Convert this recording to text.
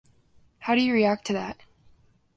How do you react to that?